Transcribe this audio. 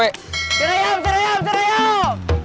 seriup seriup seriup